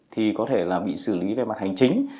thì có thể là bị xử lý về mặt hành chính